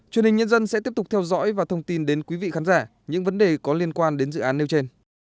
truyền hình nhân dân sẽ tiếp tục theo dõi và thông tin đến quý vị khán giả những vấn đề có liên quan đến dự án nêu trên